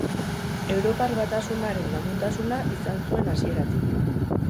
Europar Batasunaren laguntasuna izan zuen hasieratik.